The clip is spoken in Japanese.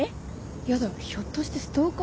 やだひょっとしてストーカー？